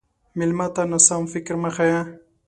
مېلمه ته ناسم فکر مه ښیه.